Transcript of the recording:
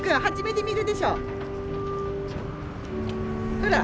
初めて見るでしょう。